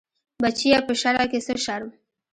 بچيه په شرع کې څه شرم.